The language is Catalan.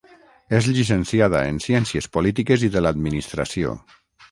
És llicenciada en ciències polítiques i de l'administració.